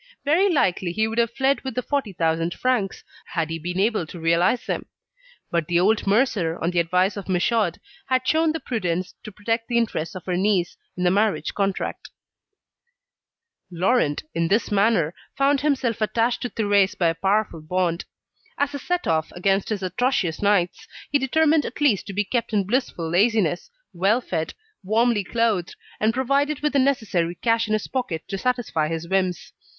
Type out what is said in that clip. Very likely he would have fled with the 40,000 francs, had he been able to realise them; but the old mercer, on the advice of Michaud, had shown the prudence to protect the interests of her niece in the marriage contract. Laurent, in this manner, found himself attached to Thérèse by a powerful bond. As a set off against his atrocious nights, he determined at least to be kept in blissful laziness, well fed, warmly clothed, and provided with the necessary cash in his pocket to satisfy his whims.